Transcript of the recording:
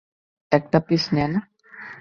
একটা পিস নে না!